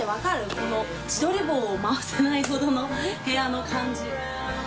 この自撮り棒を回せないほどの部屋の感じ。